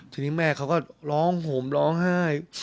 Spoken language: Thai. ทีนี้แม่เขาก็ร้องห่มร้องไห้